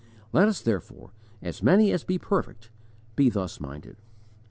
"Let us, therefore, as many as be perfect, be thus minded."